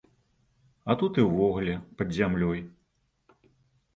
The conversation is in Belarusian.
А тут і ўвогуле, пад зямлёй.